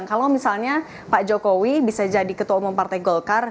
kalau misalnya pak jokowi bisa jadi ketua umum partai golkar